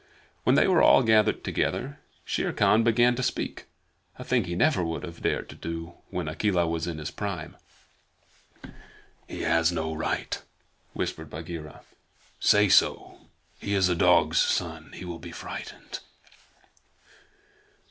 When they were all gathered together, Shere Khan began to speak a thing he would never have dared to do when Akela was in his prime. "He has no right," whispered Bagheera. "Say so. He is a dog's son. He will be frightened."